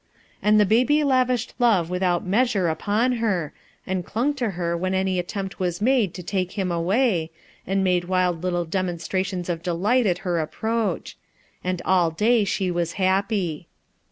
And the baby lavished love without meagre upon her, and clung to her when any attcm pl was made to take him away, and inad e *jm little demonstrations of delight at herappro^. and all day she was happy.